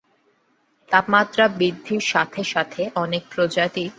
তাপমাত্রা বৃদ্ধির সাথে সাথে অনেক প্রজাতি দক্ষিণে শীতল জলের দিকে চলে যেতে পারে।